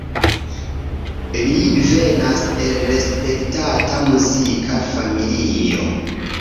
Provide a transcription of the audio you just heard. Li venas el respektata muzika familio.